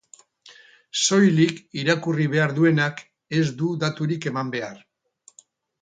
Soilik irakurri behar duenak ez du daturik eman behar.